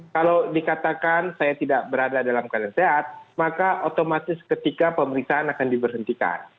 kalau dikatakan saya tidak berada dalam keadaan sehat maka otomatis ketika pemeriksaan akan diberhentikan